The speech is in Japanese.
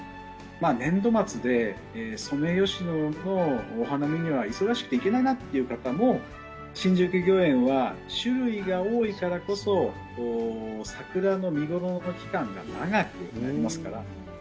年度末でソメイヨシノのお花見には忙しくて行けないなっていう方も、新宿御苑は種類が多いからこそ桜の見頃の期間が長くなりますから。